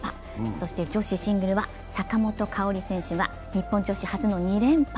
そして女子シングルは坂本花織選手が日本女子初の２連覇。